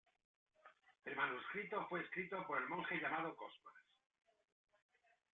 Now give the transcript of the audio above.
El manuscrito fue escrito por un monje llamado Cosmas.